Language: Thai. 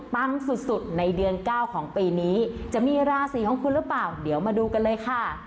ปังสุดในเดือน๙ของปีนี้จะมีราศีของคุณหรือเปล่าเดี๋ยวมาดูกันเลยค่ะ